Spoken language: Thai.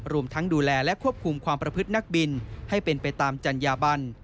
รวมทั้งดูแลและควบคุมความประพฤตินักบินให้เป็นไปตามจัญญาบัน